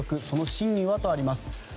その真意はとあります。